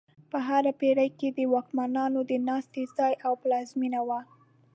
په هره پېړۍ کې د واکمنانو د ناستې ځای او پلازمینه وه.